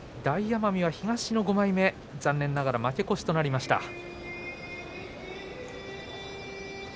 大奄美は東の５枚目残念ながら負け越しとなりました。